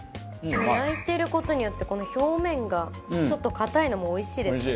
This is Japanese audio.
焼いてる事によってこの表面がちょっと硬いのもおいしいですね。